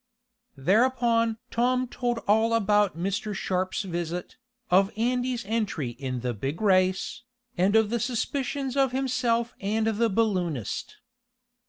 Thereupon Tom told all about Mr. Sharp's visit, of Andy's entry in the big race, and of the suspicions of himself and the balloonist.